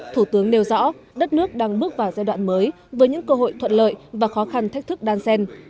thủ tướng nêu rõ đất nước đang bước vào giai đoạn mới với những cơ hội thuận lợi và khó khăn thách thức đan sen